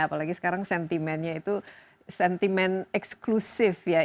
apalagi sekarang sentimennya itu sentimen eksklusif ya